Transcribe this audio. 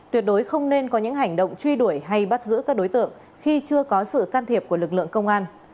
tuyệt đối không nên có những hành động truy đuổi hay bắt giữ các đối tượng khi chưa có sự can thiệp của lực lượng công an